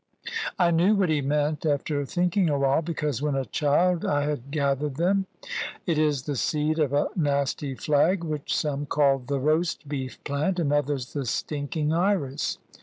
I knew what he meant after thinking a while, because when a child I had gathered them. It is the seed of a nasty flag, which some call the "Roast beef plant," and others the "Stinking Iris."